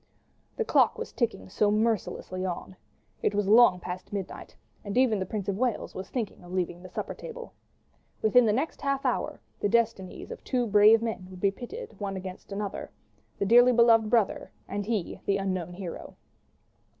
The clock was ticking so mercilessly on. It was long past midnight, and even the Prince of Wales was thinking of leaving the supper table. Within the next half hour the destinies of two brave men would be pitted against one another—the dearly beloved brother and he, the unknown hero.